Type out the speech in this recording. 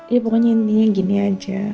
ya pokoknya ini gini aja